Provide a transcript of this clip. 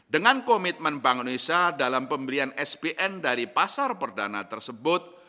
dengan komitmen bank indonesia dalam pembelian spn dari pasar perdana tersebut